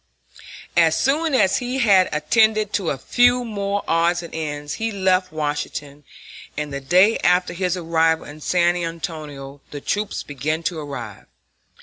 As soon as he had attended to a few more odds and ends he left Washington, and the day after his arrival in San Antonio the troops began to arrive.